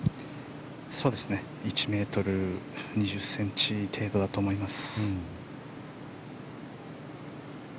１ｍ２０ｃｍ程度だと思います。